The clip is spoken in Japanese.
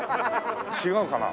違うかな？